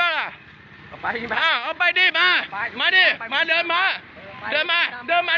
มาดีมาเดินมา